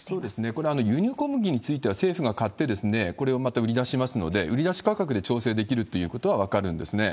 これ、輸入小麦については政府が買って、これをまた売り出しますので、売り出し価格で調整できるということは分かるんですね。